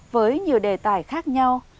với nhiều đề tài khác nhau